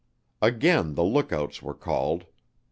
Again the lookouts were called.